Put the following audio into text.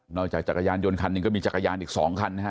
นอกจากจักรยานยนต์คันนึงก็มีจักรยานอีกสองคันนะฮะ